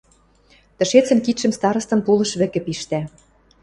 Тӹшецӹн кидшӹм старостын пулыш вӹкӹ пиштӓ.